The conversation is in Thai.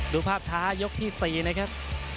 ดูภาพช้ายกที่๔นะครับ